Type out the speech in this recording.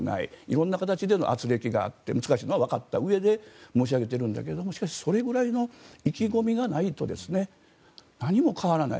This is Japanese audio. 色んな形でのあつれきがあって難しいのはわかったうえで申し上げてるんだけどしかし、それぐらいの意気込みがないと何も変わらない。